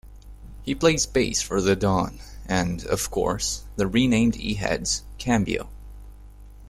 He plays bass for The Dawn and, of course, the renamed Eheads, Cambio.